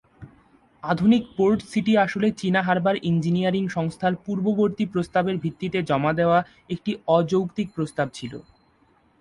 আধুনিক port city আসলে চীনা হারবার ইঞ্জিনিয়ারিং সংস্থার পূর্ববর্তী প্রস্তাবের ভিত্তিতে জমা দেওয়া একটি অযৌক্তিক প্রস্তাব ছিল।